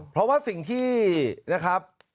เพราะว่าสิ่งที่นะครับ